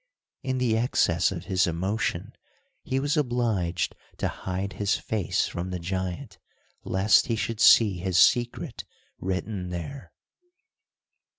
In the excess of his emotion he was obliged to hide his face from the giant, lest he should see his secret written there.